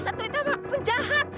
satu itu pun jahat